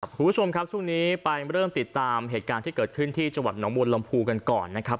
คุณผู้ชมครับช่วงนี้ไปเริ่มติดตามเหตุการณ์ที่เกิดขึ้นที่จังหวัดหนองมูลลำพูกันก่อนนะครับ